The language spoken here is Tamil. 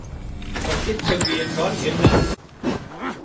வட்டுச்சங்கு என்றால் என்ன?